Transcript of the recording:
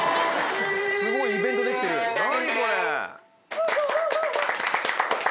すごい！